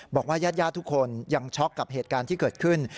ญาติทุกคนยังช็อกกับเหตุการณ์ที่เกิดขึ้น